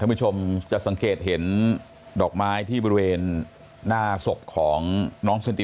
ทำไมทุกคนจะมีสังเกต